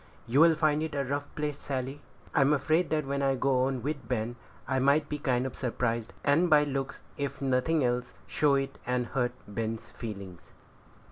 "You'll find it a rough place, Sally." "I'm afraid that when I go on with Ben I might be kind of surprised, and by looks, if nothing else, show it, and hurt Ben's feelings."